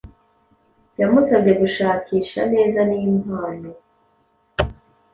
Yamusabye gushakisha neza nimpano